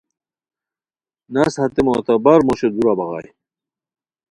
نست ہتے معتبر موشو دُورہ بغائے